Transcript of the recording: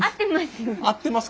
合ってます？